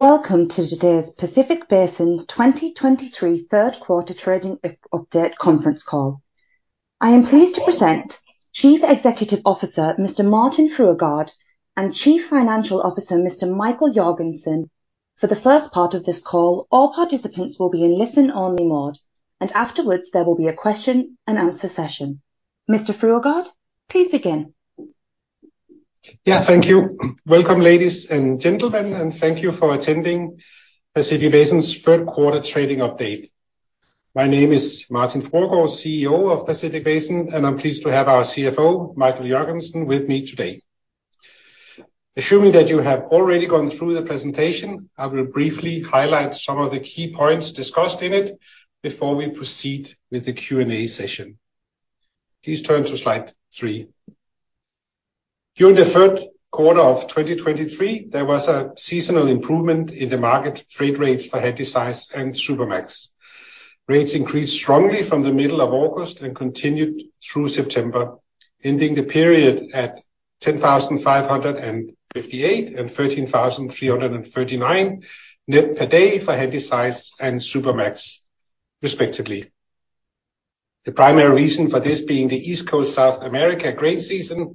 Welcome to today's Pacific Basin 2023 third quarter trading update conference call. I am pleased to present Chief Executive Officer, Mr. Martin Fruergaard, and Chief Financial Officer, Mr. Michael Jørgensen. For the first part of this call, all participants will be in listen-only mode, and afterwards, there will be a question and answer session. Mr. Fruergaard, please begin. Yeah, thank you. Welcome, ladies and gentlemen, and thank you for attending Pacific Basin's third quarter trading update. My name is Martin Fruergaard, CEO of Pacific Basin, and I'm pleased to have our CFO, Michael Jørgensen, with me today. Assuming that you have already gone through the presentation, I will briefly highlight some of the key points discussed in it before we proceed with the Q&A session. Please turn to slide three. During the third quarter of 2023, there was a seasonal improvement in the market freight rates for Handysize and Supramax. Rates increased strongly from the middle of August and continued through September, ending the period at $10,558 and $13,339 net per day for Handysize and Supramax, respectively. The primary reason for this being the East Coast South America grain season,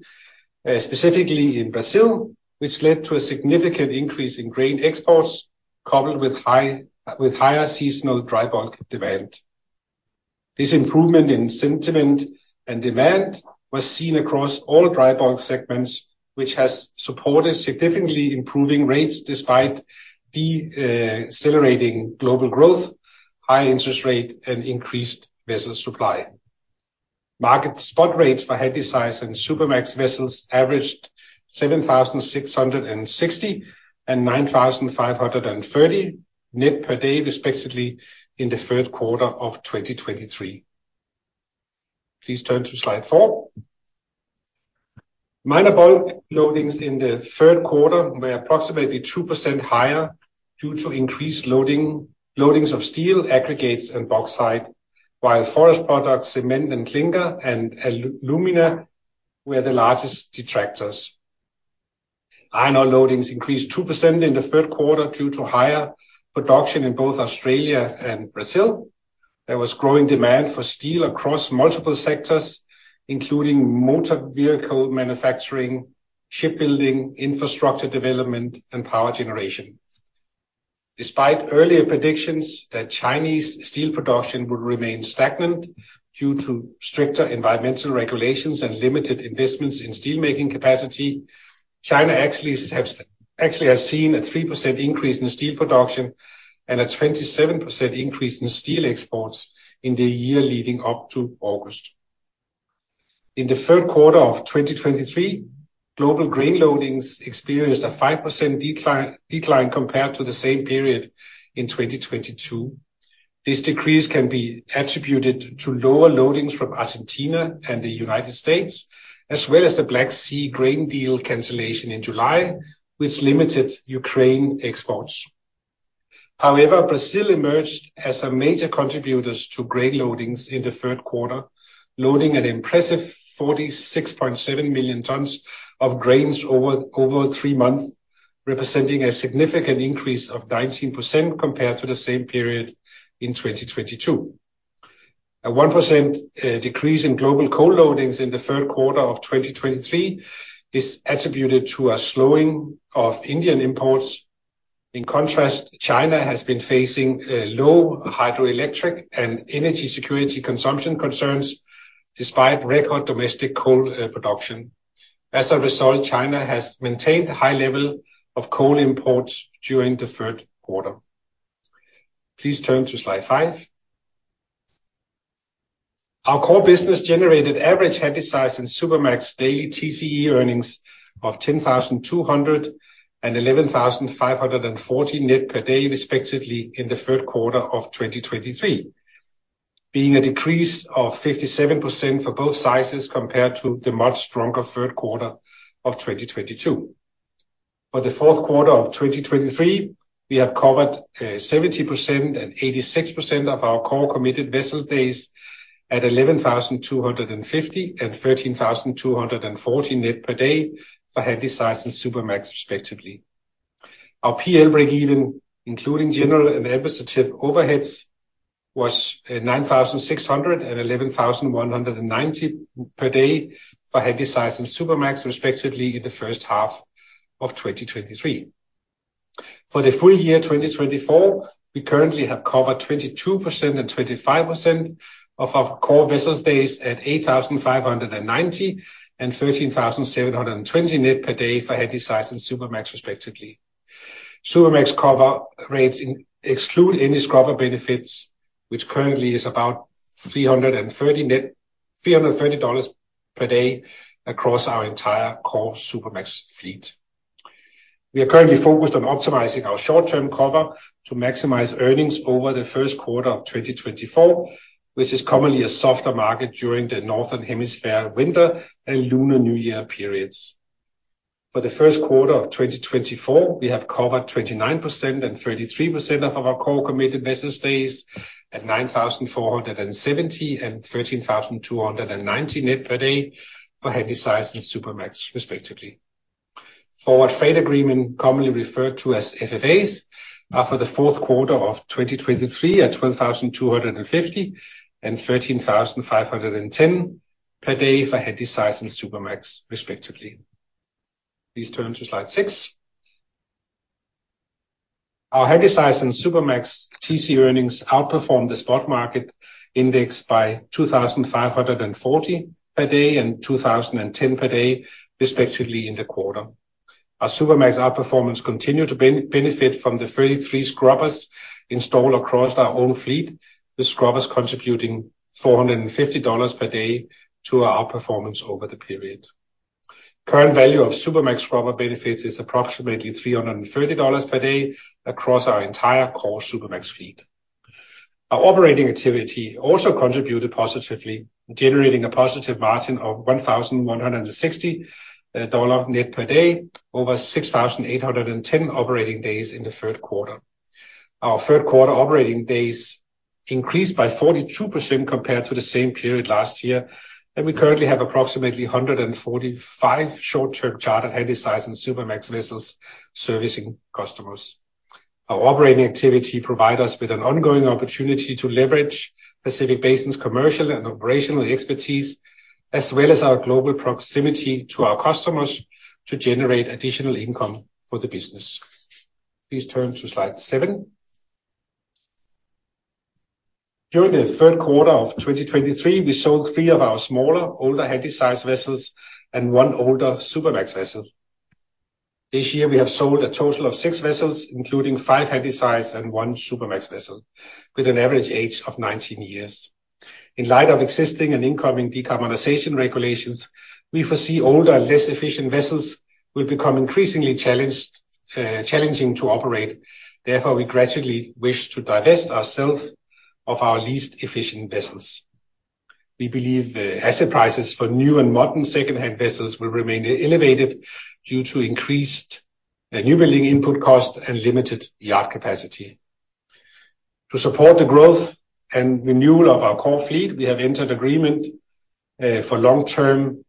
specifically in Brazil, which led to a significant increase in grain exports, coupled with higher seasonal dry bulk demand. This improvement in sentiment and demand was seen across all dry bulk segments, which has supported significantly improving rates despite decelerating global growth, high interest rate, and increased vessel supply. Market spot rates for Handysize and Supramax vessels averaged $7,660 and $9,530 net per day, respectively, in the third quarter of 2023. Please turn to slide four. Minor bulk loadings in the third quarter were approximately 2% higher due to increased loadings of steel aggregates and bauxite, while forest products, cement and clinker, and alumina were the largest detractors. Iron ore loadings increased 2% in the third quarter due to higher production in both Australia and Brazil. There was growing demand for steel across multiple sectors, including motor vehicle manufacturing, shipbuilding, infrastructure development, and power generation. Despite earlier predictions that Chinese steel production would remain stagnant due to stricter environmental regulations and limited investments in steelmaking capacity, China actually has, actually has seen a 3% increase in steel production and a 27% increase in steel exports in the year leading up to August. In the third quarter of 2023, global grain loadings experienced a 5% decline compared to the same period in 2022. This decrease can be attributed to lower loadings from Argentina and the United States, as well as the Black Sea grain deal cancellation in July, which limited Ukraine exports. However, Brazil emerged as a major contributor to grain loadings in the third quarter, loading an impressive 46.7 million tons of grains over three months, representing a significant increase of 19% compared to the same period in 2022. A 1% decrease in global coal loadings in the third quarter of 2023 is attributed to a slowing of Indian imports. In contrast, China has been facing low hydroelectric and energy security consumption concerns despite record domestic coal production. As a result, China has maintained a high level of coal imports during the third quarter. Please turn to slide five. Our core business generated average Handysize and Supramax daily TCE earnings of $10,200 and $11,540 net per day, respectively, in the third quarter of 2023, being a decrease of 57% for both sizes compared to the much stronger third quarter of 2022. For the fourth quarter of 2023, we have covered 70% and 86% of our core committed vessel days at $11,250 and $13,240 net per day for Handysize and Supramax, respectively. Our PL breakeven, including general and administrative overheads, was $9,600 and $11,190 per day for Handysize and Supramax, respectively, in the first half of 2023. For the full year 2024, we currently have covered 22% and 25% of our core vessel days at $8,590 and $13,720 net per day for Handysize and Supramax, respectively. Supramax cover rates exclude any scrubber benefits, which currently is about $330 net, $330 per day across our entire core Supramax fleet. We are currently focused on optimizing our short-term cover to maximize earnings over the first quarter of 2024, which is commonly a softer market during the Northern Hemisphere winter and Lunar New Year periods. For the first quarter of 2024, we have covered 29% and 33% of our core committed vessel days at $9,470 and $13,290 net per day for Handysize and Supramax, respectively.... Forward freight agreement, commonly referred to as FFAs, are for the fourth quarter of 2023 at $12,250 and $13,510 per day for Handysize and Supramax, respectively. Please turn to slide six. Our Handysize and Supramax TC earnings outperformed the spot market index by $2,540 per day, and $2,010 per day, respectively, in the quarter. Our Supramax outperformance continue to benefit from the 33 scrubbers installed across our own fleet, the scrubbers contributing $450 per day to our outperformance over the period. Current value of Supramax scrubber benefits is approximately $330 per day across our entire core Supramax fleet. Our operating activity also contributed positively, generating a positive margin of $1,160 net per day, over 6,810 operating days in the third quarter. Our third quarter operating days increased by 42% compared to the same period last year, and we currently have approximately 145 short-term chartered Handysize and Supramax vessels servicing customers. Our operating activity provide us with an ongoing opportunity to leverage Pacific Basin's commercial and operational expertise, as well as our global proximity to our customers, to generate additional income for the business. Please turn to slide seven. During the third quarter of 2023, we sold three of our smaller, older Handysize vessels and one older Supramax vessel. This year, we have sold a total of six vessels, including five Handysize and one Supramax vessel, with an average age of 19 years. In light of existing and incoming decarbonization regulations, we foresee older, less efficient vessels will become increasingly challenging to operate. Therefore, we gradually wish to divest ourself of our least efficient vessels. We believe, asset prices for new and modern secondhand vessels will remain elevated due to increased, new building input cost and limited yard capacity. To support the growth and renewal of our core fleet, we have entered agreement for long-term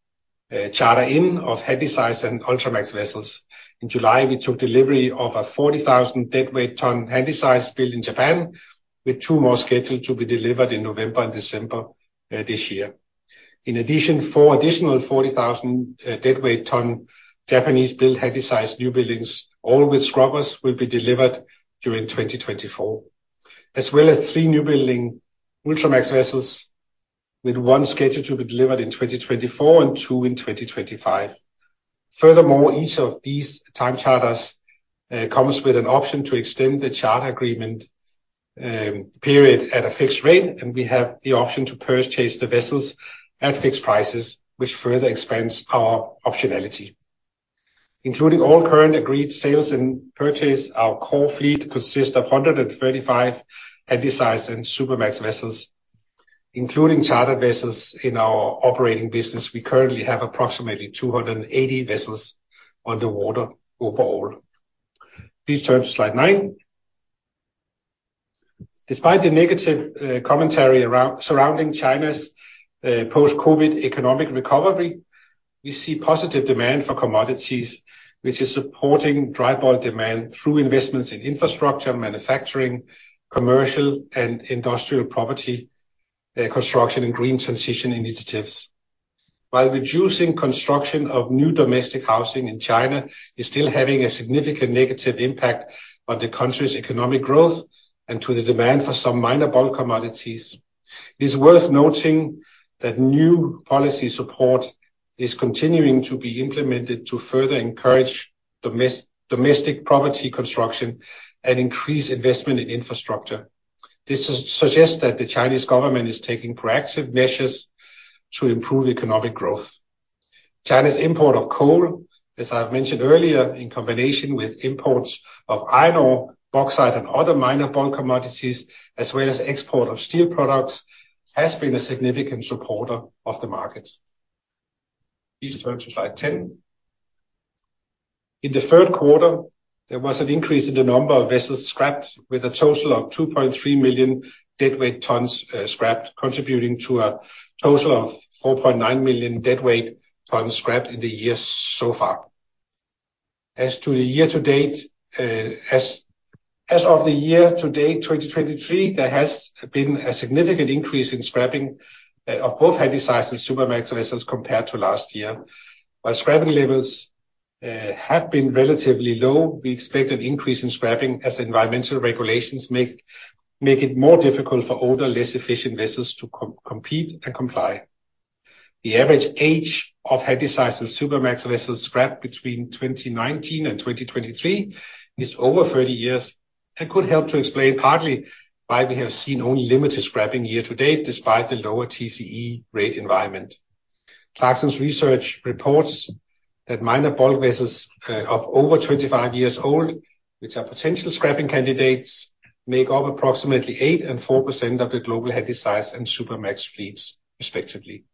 charter in of Handysize and Ultramax vessels. In July, we took delivery of a 40,000 deadweight ton Handysize built in Japan, with two more scheduled to be delivered in November and December, this year. In addition, four additional 40,000, deadweight ton Japanese-built Handysize new buildings, all with scrubbers, will be delivered during 2024. As well as three newbuilding Ultramax vessels, with one scheduled to be delivered in 2024 and two in 2025. Furthermore, each of these time charters comes with an option to extend the charter agreement period at a fixed rate, and we have the option to purchase the vessels at fixed prices, which further expands our optionality. Including all current agreed sales and purchase, our core fleet consists of 135 Handysize and Supramax vessels, including chartered vessels in our operating business. We currently have approximately 280 vessels on the water overall. Please turn to slide nine. Despite the negative commentary around surrounding China's post-COVID economic recovery, we see positive demand for commodities, which is supporting dry bulk demand through investments in infrastructure, manufacturing, commercial, and industrial property construction, and green transition initiatives. While reducing construction of new domestic housing in China is still having a significant negative impact on the country's economic growth and to the demand for some minor bulk commodities, it is worth noting that new policy support is continuing to be implemented to further encourage domestic property construction and increase investment in infrastructure. This suggests that the Chinese government is taking proactive measures to improve economic growth. China's import of coal, as I mentioned earlier, in combination with imports of iron ore, bauxite, and other minor bulk commodities, as well as export of steel products, has been a significant supporter of the market. Please turn to slide 10. In the third quarter, there was an increase in the number of vessels scrapped, with a total of 2.3 million deadweight tons scrapped, contributing to a total of 4.9 million deadweight tons scrapped in the year so far. As to the year-to-date, as of the year-to-date 2023, there has been a significant increase in scrapping of both Handysize and Supramax vessels compared to last year. While scrapping levels have been relatively low, we expect an increase in scrapping as environmental regulations make it more difficult for older, less efficient vessels to compete and comply. The average age of Handysize and Supramax vessels scrapped between 2019 and 2023 is over 30 years, and could help to explain partly why we have seen only limited scrapping year to date, despite the lower TCE rate environment. Clarksons Research reports that minor bulk vessels, of over 25 years old, which are potential scrapping candidates, make up approximately 8% and 4% of the global Handysize and Supramax fleets, respectively.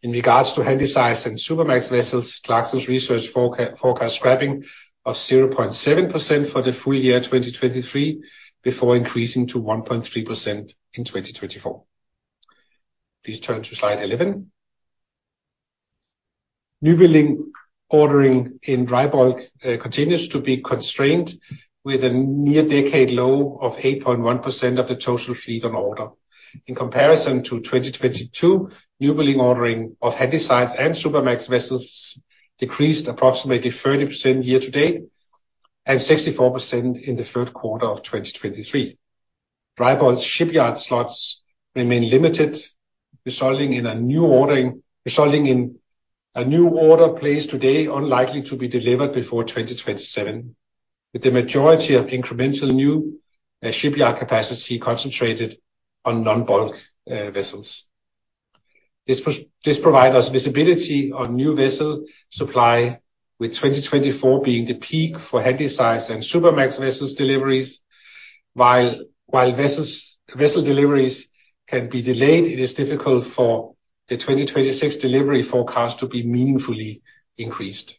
In regards to Handysize and Supramax vessels, Clarksons Research forecast scrapping of 0.7% for the full year 2023, before increasing to 1.3% in 2024. Please turn to slide eleven. New building ordering in dry bulk continues to be constrained with a near decade low of 8.1% of the total fleet on order. In comparison to 2022, new building ordering of Handysize and Supramax vessels decreased approximately 30% year to date, and 64% in the third quarter of 2023. Dry bulk shipyard slots remain limited, resulting in a new order placed today, unlikely to be delivered before 2027, with the majority of incremental new shipyard capacity concentrated on non-bulk vessels. This provides us visibility on new vessel supply, with 2024 being the peak for Handysize and Supramax vessels deliveries. While vessel deliveries can be delayed, it is difficult for the 2026 delivery forecast to be meaningfully increased.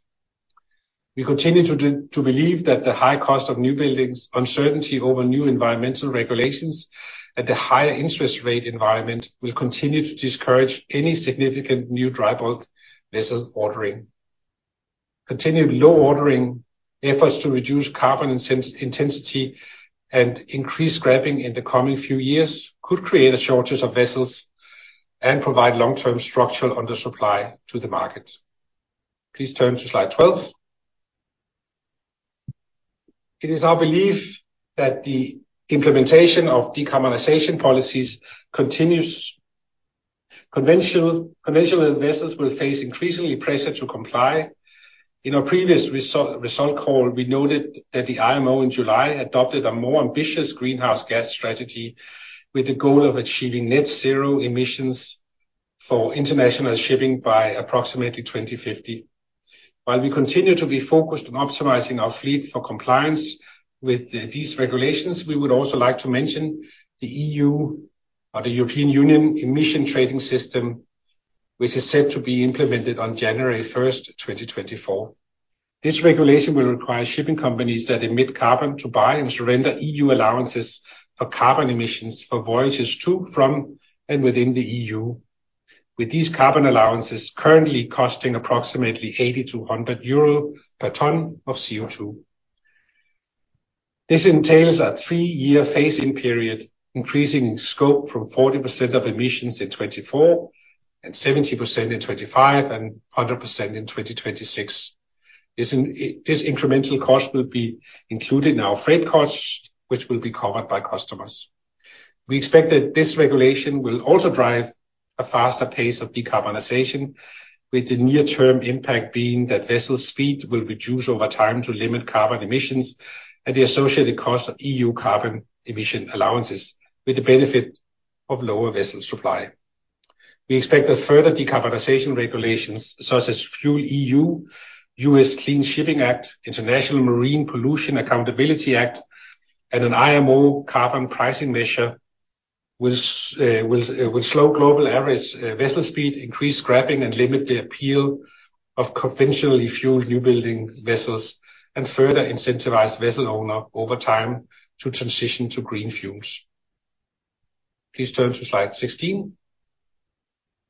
We continue to believe that the high cost of new buildings, uncertainty over new environmental regulations, and the higher interest rate environment, will continue to discourage any significant new dry bulk vessel ordering. Continued low ordering efforts to reduce carbon intensity and increase scrapping in the coming few years, could create a shortage of vessels and provide long-term structural undersupply to the market. Please turn to slide twelve. It is our belief that the implementation of decarbonization policies continues. Conventional, conventional investors will face increasing pressure to comply. In our previous result call, we noted that the IMO in July adopted a more ambitious greenhouse gas strategy, with the goal of achieving net zero emissions for international shipping by approximately 2050. While we continue to be focused on optimizing our fleet for compliance with these regulations, we would also like to mention the EU, or the European Union Emissions Trading System, which is set to be implemented on January 1st, 2024. This regulation will require shipping companies that emit carbon to buy and surrender EU allowances for carbon emissions for voyages to, from, and within the EU, with these carbon allowances currently costing approximately 80-100 euro per ton of CO2. This entails a three-year phasing period, increasing scope from 40% of emissions in 2024, and 70% in 2025, and 100% in 2026. This incremental cost will be included in our freight costs, which will be covered by customers. We expect that this regulation will also drive a faster pace of decarbonization, with the near-term impact being that vessel speed will reduce over time to limit carbon emissions, and the associated cost of EU carbon emission allowances, with the benefit of lower vessel supply. We expect that further decarbonization regulations such as FuelEU, U.S. Clean Shipping Act, International Marine Pollution Accountability Act, and an IMO carbon pricing measure, will slow global average vessel speed, increase scrapping, and limit the appeal of conventionally fueled new building vessels, and further incentivize vessel owner over time to transition to green fuels. Please turn to slide 16.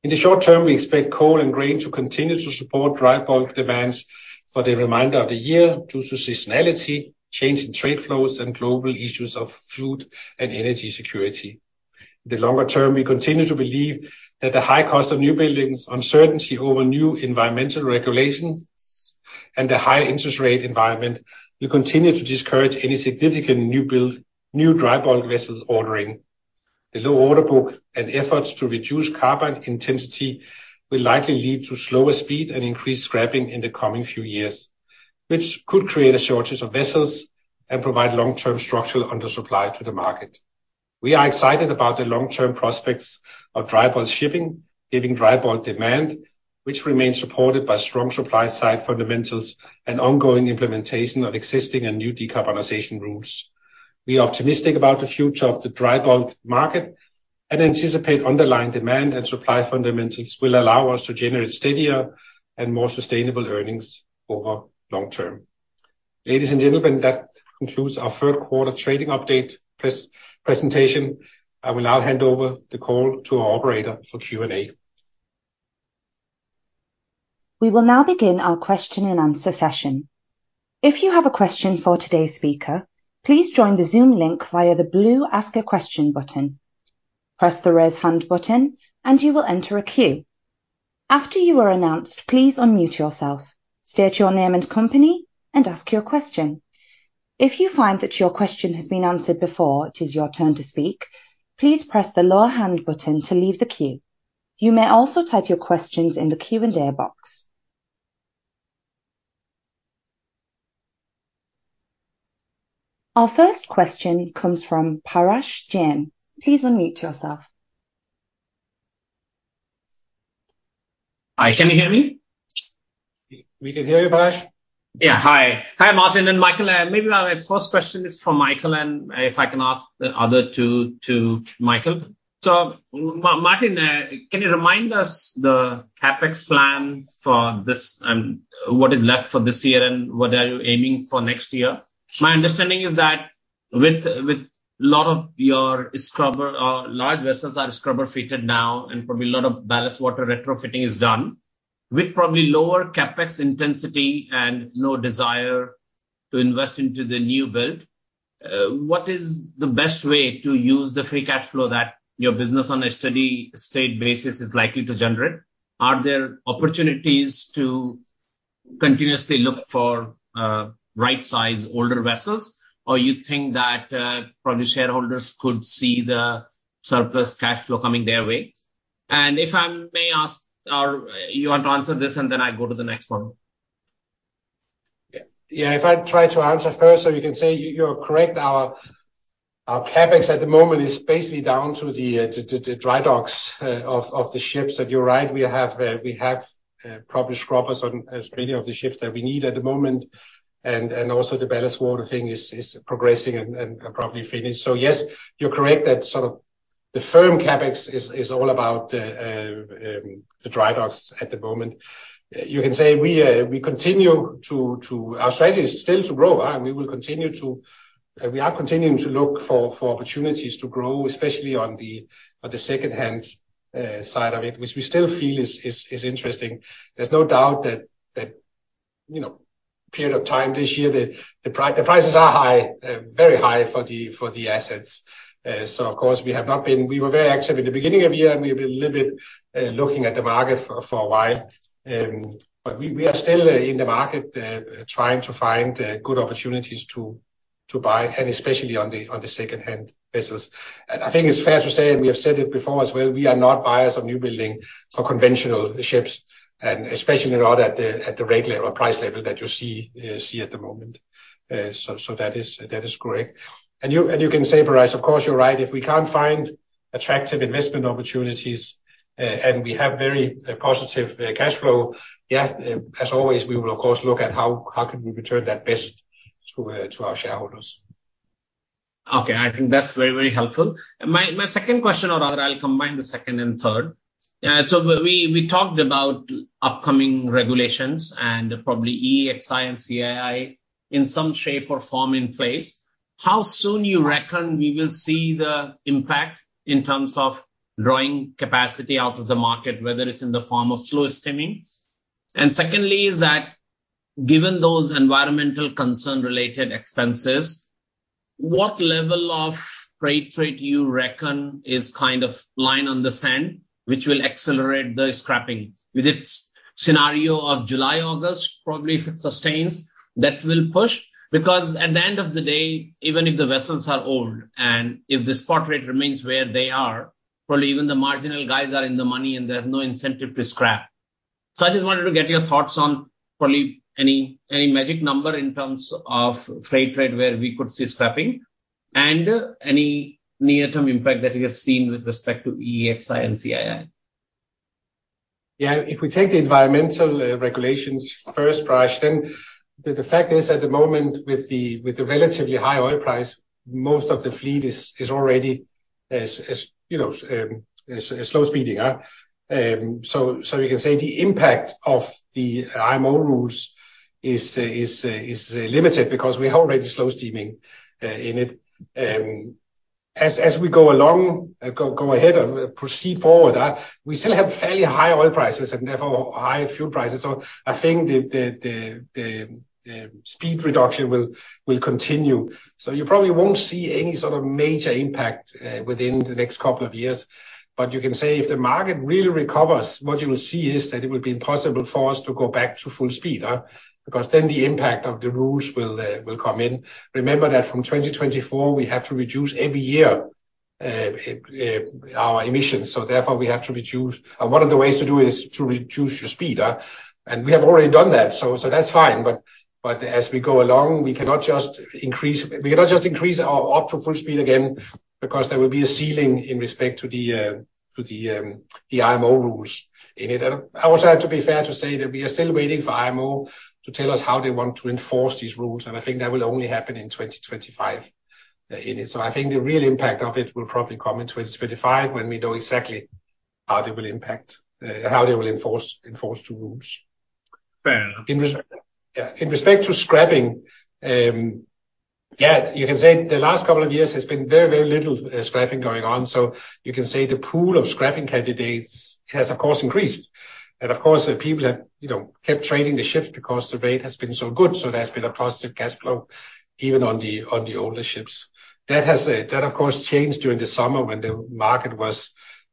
In the short term, we expect coal and grain to continue to support dry bulk demands for the remainder of the year, due to seasonality, change in trade flows, and global issues of food and energy security. In the longer term, we continue to believe that the high cost of new buildings, uncertainty over new environmental regulations, and the high interest rate environment will continue to discourage any significant new build dry bulk vessels ordering. A low order book and efforts to reduce carbon intensity will likely lead to slower speed and increased scrapping in the coming few years, which could create a shortage of vessels and provide long-term structural undersupply to the market. We are excited about the long-term prospects of dry bulk shipping, given dry bulk demand, which remains supported by strong supply-side fundamentals and ongoing implementation of existing and new decarbonization rules. We are optimistic about the future of the dry bulk market, and anticipate underlying demand and supply fundamentals will allow us to generate steadier and more sustainable earnings over the long term. Ladies and gentlemen, that concludes our third quarter trading update presentation. I will now hand over the call to our operator for Q&A. We will now begin our question and answer session. If you have a question for today's speaker, please join the Zoom link via the blue Ask a Question button. Press the Raise Hand button, and you will enter a queue. After you are announced, please unmute yourself, state your name and company, and ask your question. If you find that your question has been answered before it is your turn to speak, please press the Lower Hand button to leave the queue. You may also type your questions in the Q&A box. Our first question comes from Parash Jain. Please unmute yourself. Hi, can you hear me? We can hear you, Parash. Yeah. Hi. Hi, Martin and Michael. Maybe my first question is for Michael, and if I can ask the other two to Michael. So Martin, can you remind us the CapEx plan for this, and what is left for this year, and what are you aiming for next year? My understanding is that with a lot of your large vessels are scrubber fitted now, and probably a lot of ballast water retrofitting is done. With probably lower CapEx intensity and no desire to invest into the new build, what is the best way to use the free cash flow that your business on a steady state basis is likely to generate? Are there opportunities to continuously look for right-size older vessels, or you think that probably shareholders could see the surplus cash flow coming their way? And if I may ask, or you want to answer this, and then I go to the next one. Yeah, yeah, if I try to answer first, you can say you, you're correct. Our CapEx at the moment is basically down to the dry docks of the ships. You're right, we have probably scrubbers on as many of the ships that we need at the moment, and also the ballast water thing is progressing and is probably finished. Yes, you're correct, that sort of the firm CapEx is all about the dry docks at the moment. You can say we continue to... Our strategy is still to grow, and we will continue to, we are continuing to look for opportunities to grow, especially on the second-hand side of it, which we still feel is interesting. There's no doubt that, you know, period of time this year, the prices are high, very high for the assets. Of course, we have not been—we were very active in the beginning of the year, and we've been a little bit looking at the market for a while. You know, we are still in the market, trying to find good opportunities to buy, and especially on the second-hand basis. I think it's fair to say, and we have said it before as well, we are not buyers of new building for conventional ships, and especially not at the rate level or price level that you see at the moment. That is correct. You can say, Parash, of course, you're right. If we can't find attractive investment opportunities, and we have very positive cash flow, yeah, as always, we will of course look at how we can return that best to our shareholders. Okay. I think that's very, very helpful. My second question, or rather, I'll combine the second and third. We talked about upcoming regulations and probably EEXI and CII in some shape or form in place. How soon you reckon we will see the impact in terms of drawing capacity out of the market, whether it's in the form of slow steaming? Secondly, is that given those environmental concern-related expenses, what level of freight, freight you reckon is kind of line on the sand, which will accelerate the scrapping? With its scenario of July, August, probably if it sustains, that will push. Because at the end of the day, even if the vessels are old, and if the spot rate remains where they are, probably even the marginal guys are in the money, and there's no incentive to scrap. So I just wanted to get your thoughts on probably any magic number in terms of freight, where we could see scrapping, and any near-term impact that you have seen with respect to EEXI and CII. Yeah. If we take the environmental regulations first, Parash, then the fact is, at the moment, with the relatively high oil price, most of the fleet is already, as you know, slow steaming. So you can say the impact of the IMO rules is limited because we're already slow steaming in it. As we go along and proceed forward, we still have fairly high oil prices and therefore high fuel prices. So I think the speed reduction will continue. So you probably won't see any sort of major impact within the next couple of years. But you can say if the market really recovers, what you will see is that it will be impossible for us to go back to full speed, because then the impact of the rules will, will come in. Remember that from 2024, we have to reduce every year, our emissions, so therefore we have to reduce... And one of the ways to do it is to reduce your speed, and we have already done that, so, so that's fine. But, but as we go along, we cannot just increase, we cannot just increase or up to full speed again, because there will be a ceiling in respect to the, to the, the IMO rules in it. I also have to be fair to say that we are still waiting for IMO to tell us how they want to enforce these rules, and I think that will only happen in 2025. So I think the real impact of it will probably come in 2025, when we know exactly how they will impact how they will enforce the rules. Fair. Yeah, in respect to scrapping, yeah, you can say the last couple of years has been very, very little scrapping going on, so you can say the pool of scrapping candidates has, of course, increased. And of course, the people have, you know, kept trading the ships because the rate has been so good, so there's been a positive cash flow even on the, on the older ships. That has, that of course, changed during the summer when the market was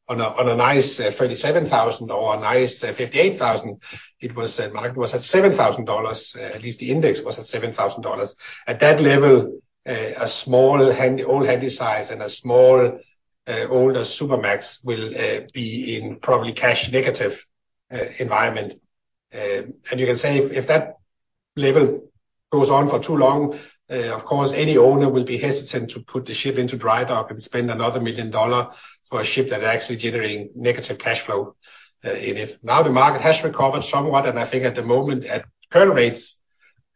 on a, on a nice $37,000 or a nice $58,000. It was, market was at $7,000, at least the index was at $7,000. At that level, a small Handysize, old Handysize and a small, older Supramax will be in probably cash negative environment. You can say if that level goes on for too long, of course, any owner will be hesitant to put the ship into dry dock and spend another $1 million for a ship that is actually generating negative cash flow in it. Now, the market has recovered somewhat, and I think at the moment, at current rates,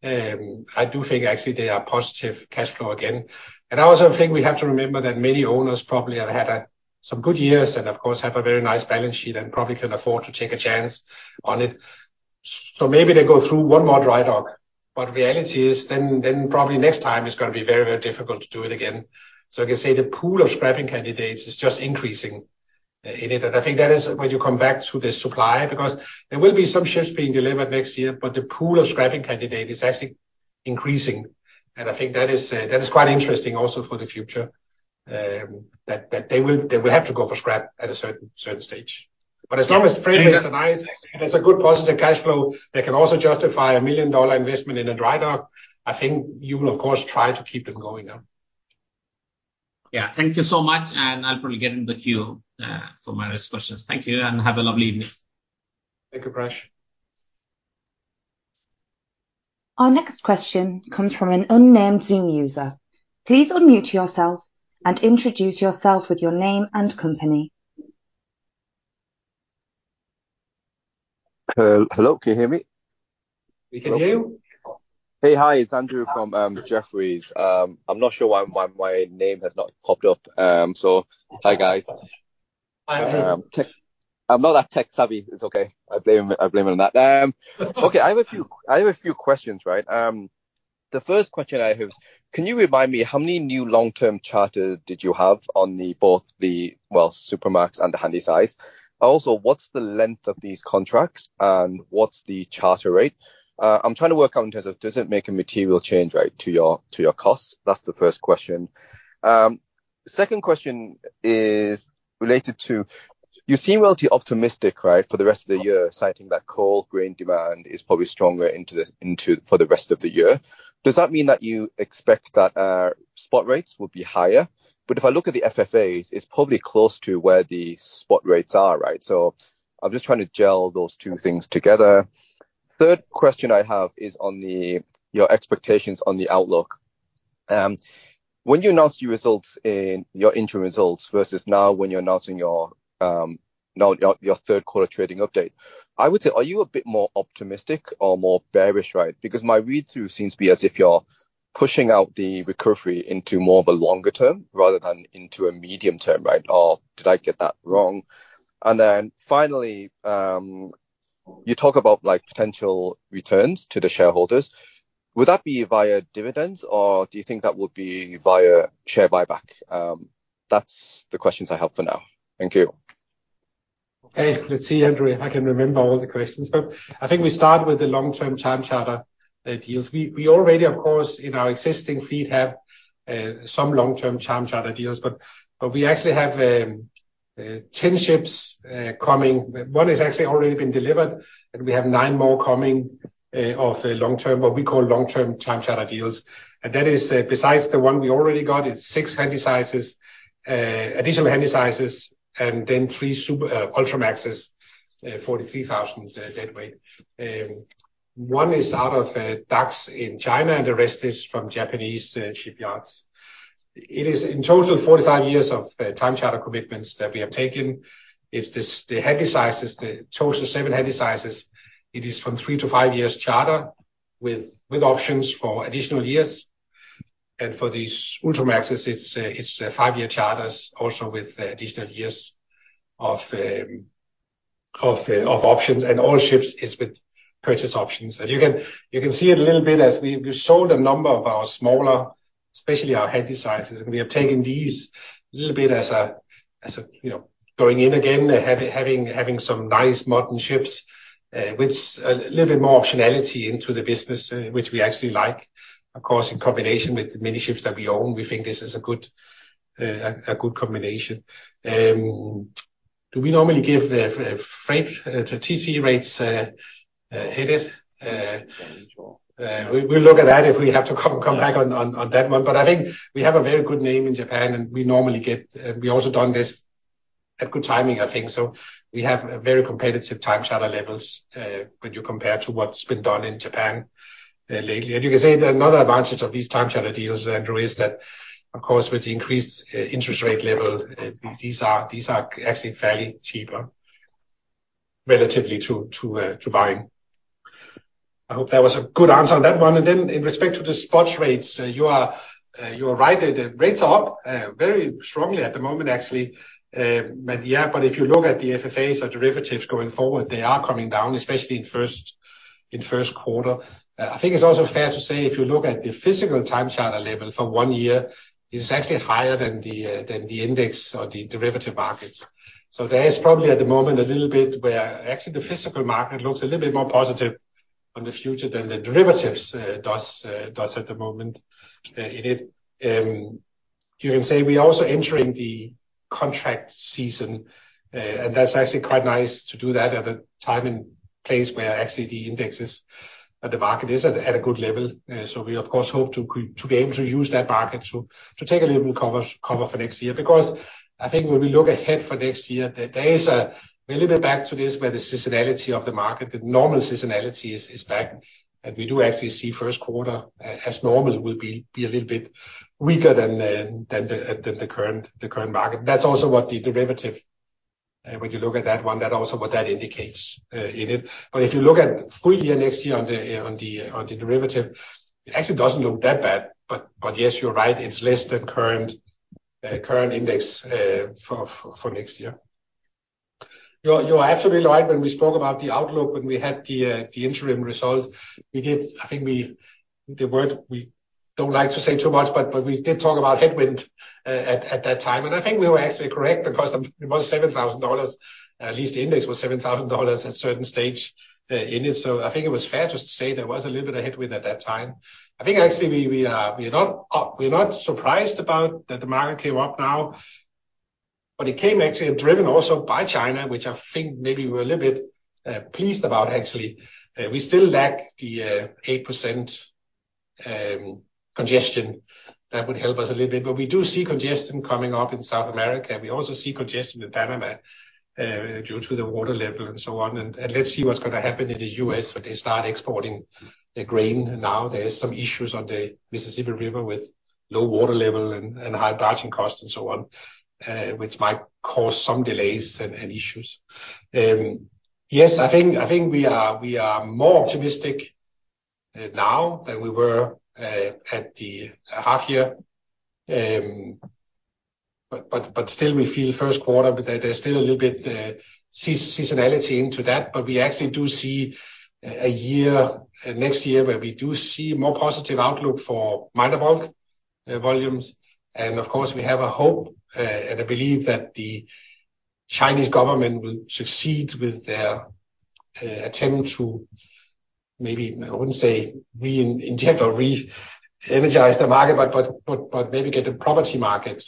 I do think actually they are positive cash flow again. I also think we have to remember that many owners probably have had some good years, and of course, have a very nice balance sheet and probably can afford to take a chance on it. Maybe they go through one more dry dock, but reality is then, then probably next time it's gonna be very, very difficult to do it again. So I can say the pool of scrapping candidates is just increasing. And I think that is when you come back to the supply, because there will be some ships being delivered next year, but the pool of scrapping candidate is actually increasing, and I think that is quite interesting also for the future. That they will, they will have to go for scrap at a certain stage. But as long as the freight rates are nice, there's a good positive cash flow, they can also justify a $1 million investment in a dry dock. I think you will, of course, try to keep them going now. Yeah. Thank you so much, and I'll probably get in the queue for my next questions. Thank you, and have a lovely evening. Thank you, Parash. Our next question comes from an unnamed Zoom user. Please unmute yourself and introduce yourself with your name and company. Hello, hello. Can you hear me? We can hear you. Hey. Hi, it's Andrew from Jefferies. I'm not sure why my name has not popped up. So hi, guys. Hi, Andrew. Tech, I'm not that tech-savvy. It's okay. I blame, I blame it on that. Okay, I have a few, I have a few questions, right? The first question I have, can you remind me how many new long-term charter did you have on the, both the, well, Supramax and the Handysize? Also, what's the length of these contracts, and what's the charter rate? I'm trying to work out in terms of does it make a material change, right, to your, to your costs? That's the first question. Second question is related to you seem relatively optimistic, right, for the rest of the year, citing that coal, grain demand is probably stronger into the for the rest of the year. Does that mean that you expect that spot rates will be higher? But if I look at the FFAs, it's probably close to where the spot rates are, right? So I'm just trying to gel those two things together. Third question I have is on the, your expectations on the outlook. When you announced your results in your interim results versus now when you're announcing your, now your, your third quarter trading update, I would say, are you a bit more optimistic or more bearish, right? Because my read-through seems to be as if you're pushing out the recovery into more of a longer term rather than into a medium term, right? Or did I get that wrong? And then finally, you talk about, like, potential returns to the shareholders. Would that be via dividends, or do you think that would be via share buyback? That's the questions I have for now. Thank you. Okay, let's see, Andrew, if I can remember all the questions. But I think we start with the long-term time charter deals. We, we already, of course, in our existing fleet have some long-term time charter deals, but, but we actually have 10 ships coming. One is actually already been delivered, and we have nine more coming of a long-term, what we call long-term time charter deals. And that is, besides the one we already got, it's six Handysizes, additional Handysizes, and then three Supramaxes, 43,000 deadweight. One is out of docks in China, and the rest is from Japanese shipyards. It is in total 45 years of time charter commitments that we have taken. It's the, the Handysizes, the total seven Handysizes. It is from three-five years charter with options for additional years. And for these Ultramaxes, it's a five-year charters also with additional years of options, and all ships is with purchase options. And you can see it a little bit as we sold a number of our smaller, especially our Handysizes, and we have taken these a little bit as a, you know, going in again, having some nice modern ships with a little bit more optionality into the business, which we actually like. Of course, in combination with the many ships that we own, we think this is a good combination. Do we normally give a freight to TC rates, edit? Sure. We'll look at that if we have to come back on that one. But I think we have a very good name in Japan, and we normally get. We also done this at good timing, I think. So we have a very competitive time charter levels, when you compare to what's been done in Japan, lately. And you can say that another advantage of these time charter deals, Andrew, is that of course, with the increased interest rate level, these are, these are actually fairly cheaper relatively to, to, to buying. I hope that was a good answer on that one. And then in respect to the spot rates, you are right, the rates are up, very strongly at the moment, actually. But yeah, but if you look at the FFAs or derivatives going forward, they are coming down, especially in first quarter. I think it's also fair to say, if you look at the physical time charter level for one year, it's actually higher than the index or the derivative markets. So there is probably, at the moment, a little bit where actually the physical market looks a little bit more positive on the future than the derivatives does at the moment. In it, you can say we are also entering the contract season, and that's actually quite nice to do that at a time and place where actually the index is, and the market is at a good level. So we of course hope to be able to use that market to take a little cover for next year. Because I think when we look ahead for next year, there is a little bit back to this, where the seasonality of the market, the normal seasonality is back, and we do actually see first quarter as normal will be a little bit weaker than the current market. That's also what the derivative when you look at that one, that also what that indicates in it. But if you look at full year, next year on the derivative, it actually doesn't look that bad. But yes, you're right, it's less than current index for next year. You're absolutely right. When we spoke about the outlook, when we had the, the interim result, we did—I think we, the word we don't like to say too much, but, but we did talk about headwind at, at that time, and I think we were actually correct because it was $7,000. At least the index was $7,000 at a certain stage, in it. So I think it was fair to say there was a little bit of headwind at that time. I think actually we, we are, we are not up, we are not surprised about that the market came up now, but it came actually driven also by China, which I think maybe we're a little bit, pleased about, actually. We still lack the 8% congestion that would help us a little bit, but we do see congestion coming up in South America, and we also see congestion in Panama due to the water level and so on. Let's see what's going to happen in the U.S. when they start exporting the grain. Now, there is some issues on the Mississippi River with low water level and high barging costs and so on, which might cause some delays and issues. Yes, I think we are more optimistic now than we were at the half year. But still, we feel first quarter, there's still a little bit of seasonality into that, but we actually do see a year, next year, where we do see more positive outlook for minor bulk volumes. And of course, we have a hope and a belief that the Chinese government will succeed with their attempt to maybe, I wouldn't say re-inject or re-energize the market, but maybe get the property market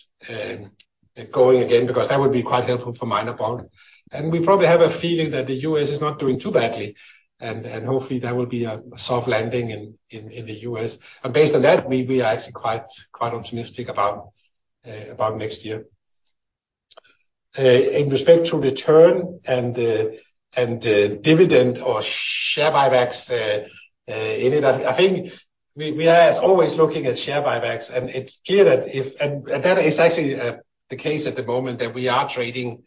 going again, because that would be quite helpful for minor bulk. And we probably have a feeling that the U.S. is not doing too badly, and hopefully there will be a soft landing in the U.S. And based on that, we are actually quite optimistic about next year. In respect to return and dividend or share buybacks, I think we are as always looking at share buybacks, and it's clear that... that is actually the case at the moment, that we are trading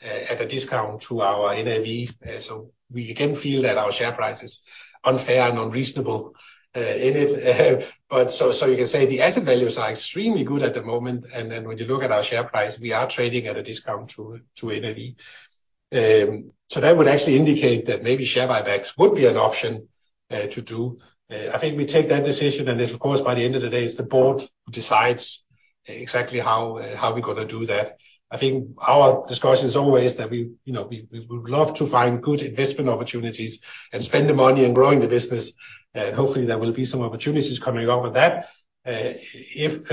at a discount to our NAV. So we again feel that our share price is unfair and unreasonable. But you can say the asset values are extremely good at the moment, and then when you look at our share price, we are trading at a discount to NAV. So that would actually indicate that maybe share buybacks would be an option to do. I think we take that decision, and of course, by the end of the day, it's the board who decides exactly how we're going to do that. I think our discussion is always that we, you know, we would love to find good investment opportunities and spend the money in growing the business, and hopefully there will be some opportunities coming up with that. If,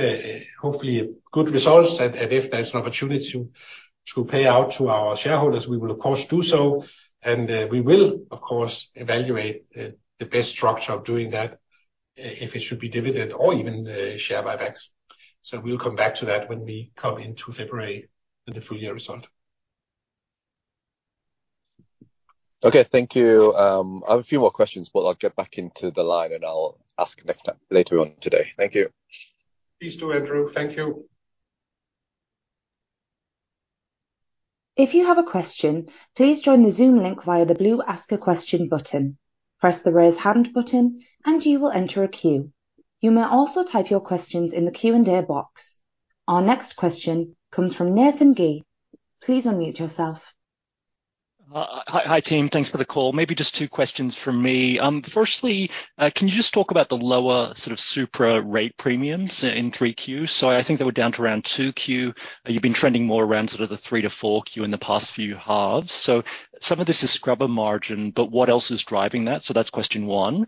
hopefully good results, and if there's an opportunity to pay out to our shareholders, we will of course do so. We will, of course, evaluate the best structure of doing that, if it should be dividend or even share buybacks. We'll come back to that when we come into February with the full year result. Okay. Thank you. I have a few more questions, but I'll get back into the line, and I'll ask next time, later on today. Thank you. Please do, Andrew. Thank you. If you have a question, please join the Zoom link via the blue Ask a Question button. Press the Raise Hand button, and you will enter a queue. You may also type your questions in the Q&A box. Our next question comes from Nathan Gee. Please unmute yourself. Hi, hi, team. Thanks for the call. Maybe just two questions from me. Firstly, can you just talk about the lower sort of Supra rate premiums in Q3? So I think they were down to around $2k. You've been trending more around sort of the $3,000-$4,000 in the past few halves. So some of this is scrubber margin, but what else is driving that? So that's question one.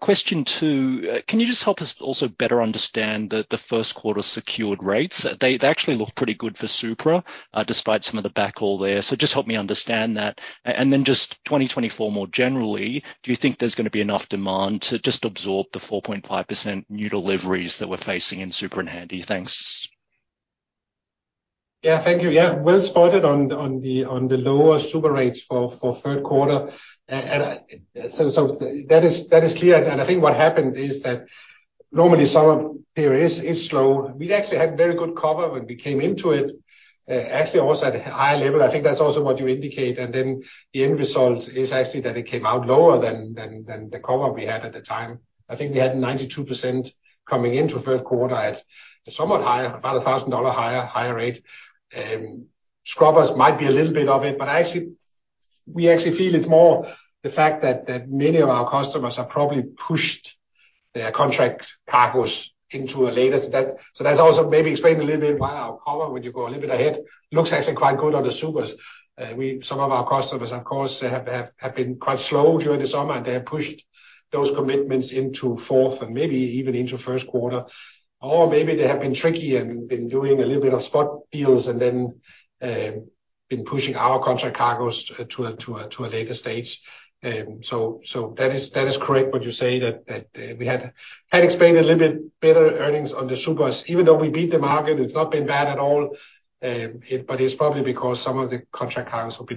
Question two, can you just help us also better understand the first quarter secured rates? They actually look pretty good for Supra, despite some of the backhaul there. So just help me understand that. And then just 2024 more generally, do you think there's going to be enough demand to just absorb the 4.5% new deliveries that we're facing in Supra and Handy? Thanks. Yeah. Thank you. Yeah, well spotted on the lower Supra rates for third quarter. And so that is clear, and I think what happened is that normally summer period is slow. We'd actually had very good cover when we came into it, actually also at a higher level. I think that's also what you indicate, and then the end result is actually that it came out lower than the cover we had at the time. I think we had 92% coming into third quarter at somewhat higher, about $1,000 higher rate. Scrubbers might be a little bit of it, but actually, we actually feel it's more the fact that many of our customers have probably pushed their contract cargoes into a later... So that, so that's also maybe explain a little bit why our cover, when you go a little bit ahead, looks actually quite good on the Supras. We, some of our customers, of course, have been quite slow during the summer, and they have pushed those commitments into fourth and maybe even into first quarter, or maybe they have been tricky and been doing a little bit of spot deals and then been pushing our contract cargoes to a later stage. So that is correct what you say, that we had expected a little bit better earnings on the Supras. Even though we beat the market, it's not been bad at all, it's probably because some of the contract cargoes have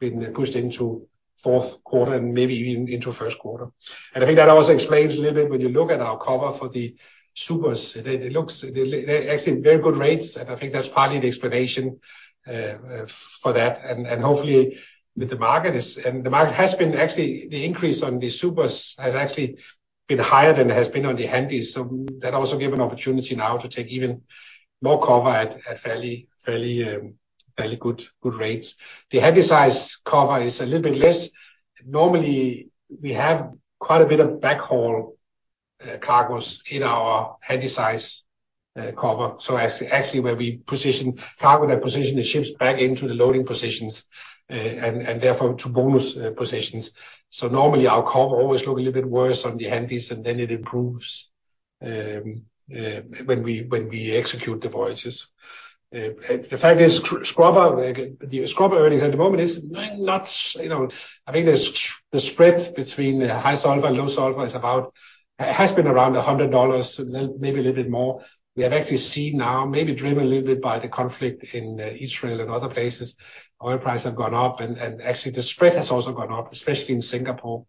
been pushed into fourth quarter and maybe even into first quarter. I think that also explains a little bit when you look at our cover for the Supras, it looks actually very good rates, and I think that's partly the explanation for that. Hopefully, the market is, and the market has been... Actually, the increase on the Supras has actually been a bit higher than it has been on the Handies, so that also gives an opportunity now to take even more cover at fairly, fairly good rates. The Handysize cover is a little bit less. Normally, we have quite a bit of backhaul cargos in our Handysize cover. So actually, where we position cargo, that position the ships back into the loading positions, and therefore to bonus positions. So normally, our cover always look a little bit worse on the Handies, and then it improves when we execute the voyages. The fact is, scrubber, the scrubber earnings at the moment is not, you know, I think the spread between the high sulfur and low sulfur is about, has been around $100, maybe a little bit more. We have actually seen now, maybe driven a little bit by the conflict in Israel and other places, oil prices have gone up, and actually the spread has also gone up, especially in Singapore,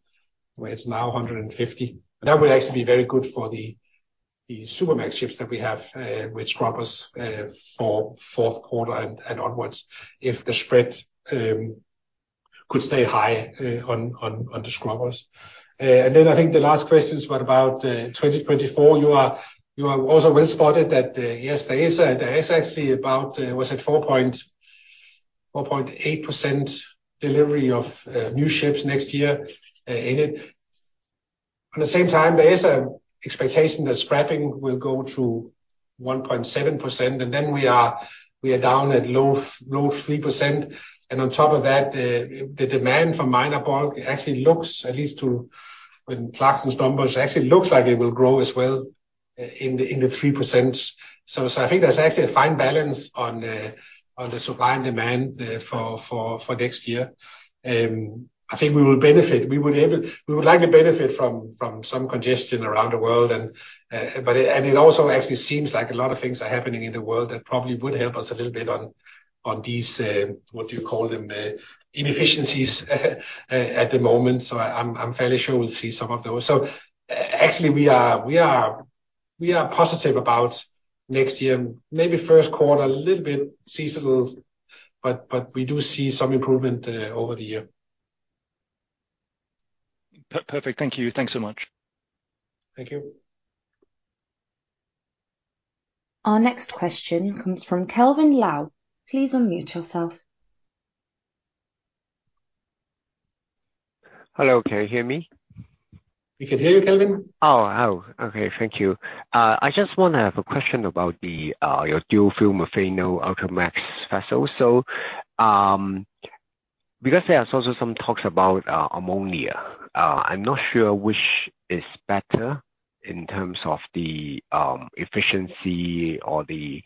where it's now $150. That would actually be very good for the, the Supramax ships that we have, with scrubbers, for fourth quarter and onwards, if the spread could stay high, on the scrubbers. I think the last question is what about 2024? You are also well spotted that, yes, there is actually about, what is it, 4.8% delivery of new ships next year in it. At the same time, there is an expectation that scrapping will go to 1.7%, and then we are down at low, low 3%. On top of that, the demand for minor bulk actually looks, at least to when Clarksons' numbers, actually looks like it will grow as well in the 3%. So I think there's actually a fine balance on the supply and demand for next year. I think we will benefit. We would like to benefit from some congestion around the world, and it also actually seems like a lot of things are happening in the world that probably would help us a little bit on these inefficiencies at the moment. So I'm fairly sure we'll see some of those. Actually, we are positive about next year, maybe first quarter, a little bit seasonal, but we do see some improvement over the year. Perfect. Thank you. Thanks so much. Thank you. Our next question comes from Kelvin Lau. Please unmute yourself. Hello, can you hear me? We can hear you, Kelvin. Oh, oh, okay. Thank you. I just want to have a question about the, your dual fuel methanol Ultramax vessels. So, because there are also some talks about, ammonia, I'm not sure which is better in terms of the, efficiency or the,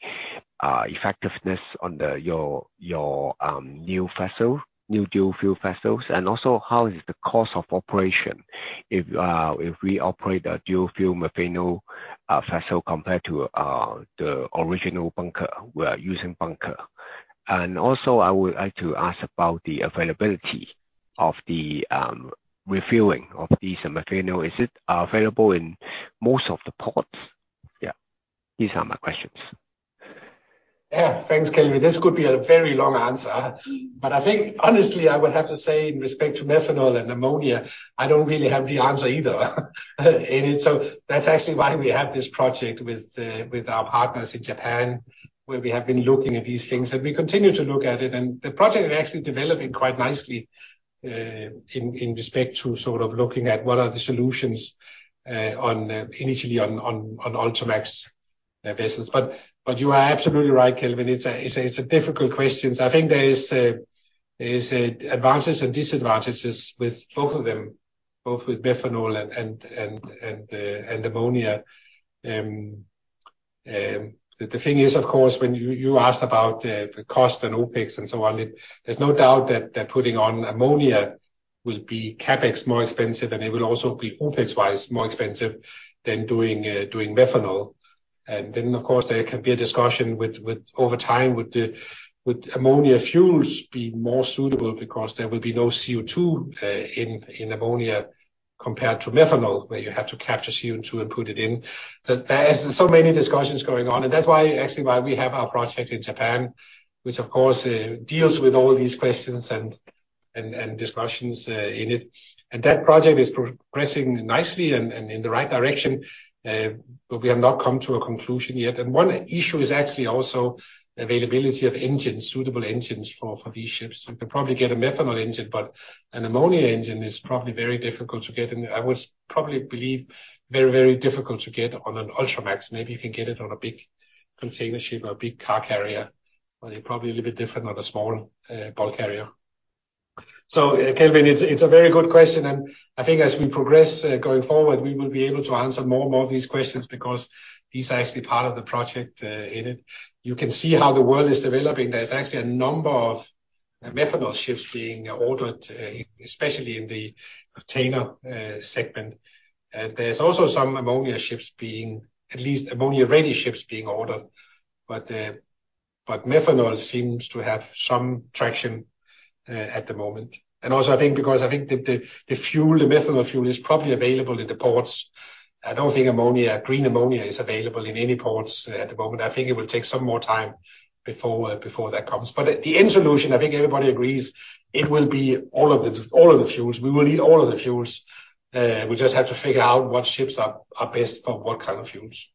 effectiveness on the, your, your, new vessel, new dual fuel vessels, and also, how is the cost of operation if, if we operate a dual fuel methanol, vessel compared to, the original bunker, we are using bunker? And also, I would like to ask about the availability of the, refueling of these methanol. Is it, available in most of the ports? Yeah, these are my questions. Yeah. Thanks, Kelvin. This could be a very long answer, but I think honestly, I would have to say in respect to methanol and ammonia, I don't really have the answer either. And so that's actually why we have this project with our partners in Japan, where we have been looking at these things, and we continue to look at it. And the project is actually developing quite nicely in respect to sort of looking at what are the solutions, initially on Ultramax vessels. But you are absolutely right, Kelvin, it's a difficult question. So I think there is advantages and disadvantages with both of them, both with methanol and ammonia. The thing is, of course, when you ask about the cost and OpEx and so on, there's no doubt that putting on ammonia will be CapEx more expensive, and it will also be OpEx-wise, more expensive than doing methanol. And then, of course, there can be a discussion with over time, would the ammonia fuels be more suitable because there will be no CO2 in ammonia compared to methanol, where you have to capture CO2 and put it in. There's so many discussions going on, and that's why, actually, why we have our project in Japan, which of course deals with all these questions and discussions in it. And that project is progressing nicely and in the right direction, but we have not come to a conclusion yet. One issue is actually also availability of engines, suitable engines for these ships. We could probably get a methanol engine, but an ammonia engine is probably very difficult to get, and I would probably believe very, very difficult to get on an Ultramax. Maybe you can get it on a big container ship or a big car carrier, but they're probably a little bit different on a small bulk carrier. Kelvin, it's a very good question, and I think as we progress going forward, we will be able to answer more and more of these questions because these are actually part of the project in it. You can see how the world is developing. There's actually a number of methanol ships being ordered, especially in the container segment. There's also some ammonia-ready ships being ordered, but methanol seems to have some traction at the moment. And also, I think because the methanol fuel is probably available in the ports. I don't think green ammonia is available in any ports at the moment. I think it will take some more time before that comes. But the end solution, I think everybody agrees, it will be all of the fuels. We will need all of the fuels. We just have to figure out what ships are best for what kind of fuels.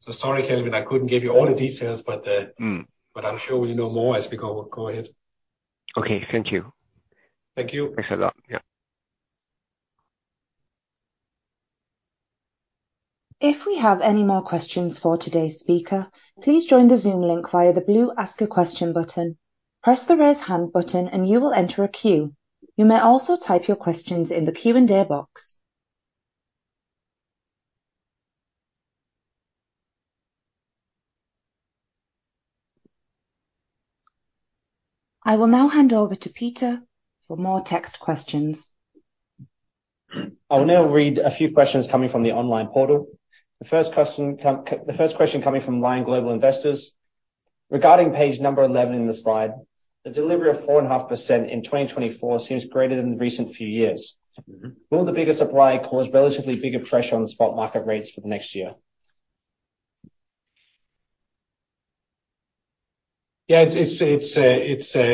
So sorry, Kelvin, I couldn't give you all the details, but Mm. I'm sure we'll know more as we go. Go ahead. Okay. Thank you. Thank you. Thanks a lot. Yeah. If we have any more questions for today's speaker, please join the Zoom link via the blue Ask a Question button. Press the Raise Hand button and you will enter a queue. You may also type your questions in the Q&A box. I will now hand over to Peter for more text questions. I will now read a few questions coming from the online portal. The first quesotion coming from Lion Global Investors: Regarding page number 11 in the slide, the delivery of 4.5% in 2024 seems greater than the recent few years. Mm-hmm. Will the bigger supply cause relatively bigger pressure on the spot market rates for the next year? Yeah. It's a...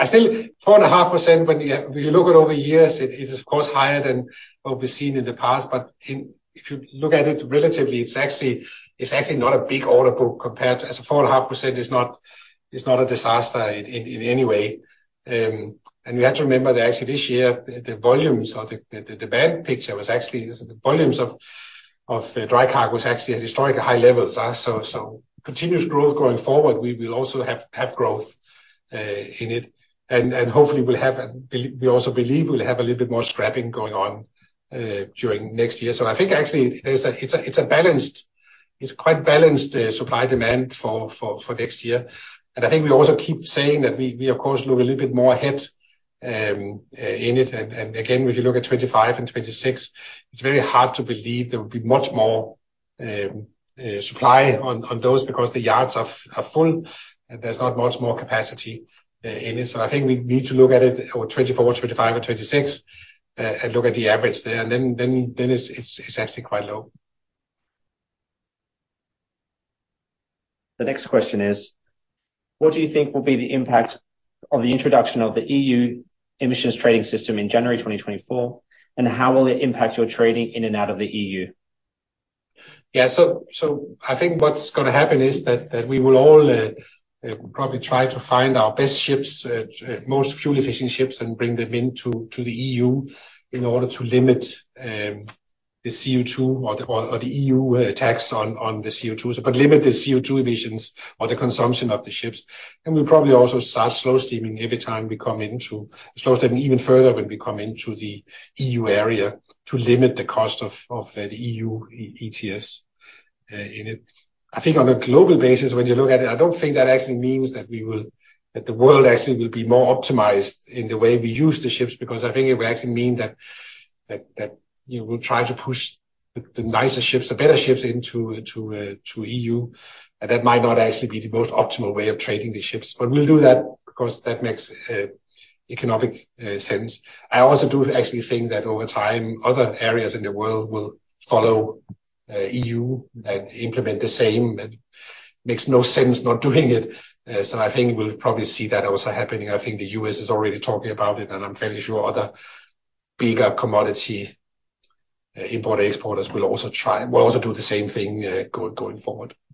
I think 4.5%, when you look at over years, it is of course higher than what we've seen in the past, but if you look at it relatively, it's actually not a big order book compared to... As 4.5% is not, it's not a disaster in any way. And you have to remember that actually this year, the volumes or the demand picture was actually the volumes of dry cargo was actually at historically high levels. So continuous growth going forward, we will also have growth in it, and hopefully we also believe we'll have a little bit more scrapping going on during next year. So I think actually it is a balanced, it's quite balanced, supply-demand for next year. And I think we also keep saying that we, of course, look a little bit more ahead in it. And again, if you look at 2025 and 2026, it's very hard to believe there will be much more supply on those because the yards are full, and there's not much more capacity in it. So I think we need to look at it over 2024, 2025 and 2026, and look at the average there, and then it's actually quite low. The next question is: What do you think will be the impact of the introduction of the EU Emissions Trading System in January 2024, and how will it impact your trading in and out of the EU? Yeah. So I think what's gonna happen is that we will all probably try to find our best ships, most fuel-efficient ships and bring them into the EU in order to limit the CO2 or the EU tax on the CO2. So but limit the CO2 emissions or the consumption of the ships. And we'll probably also start slow steaming every time we come into slow steaming even further when we come into the EU area, to limit the cost of the EU ETS in it. I think on a global basis, when you look at it, I don't think that actually means that we will, that the world actually will be more optimized in the way we use the ships, because I think it will actually mean that you will try to push the nicer ships, the better ships into to EU. And that might not actually be the most optimal way of trading the ships, but we'll do that because that makes economic sense. I also do actually think that over time, other areas in the world will follow EU and implement the same. It makes no sense not doing it. So I think we'll probably see that also happening. I think the U.S. is already talking about it, and I'm fairly sure other bigger commodity importer-exporters will also do the same thing, going forward.